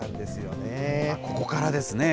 ここからですね。